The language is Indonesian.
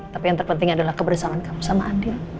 tapi yang terpenting adalah kebersamaan kamu sama adil